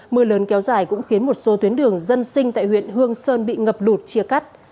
mưa lớn kéo dài cũng khiến một số tuyến đường dân sinh tại huyện hương sơn bị ngập lụt chia cắt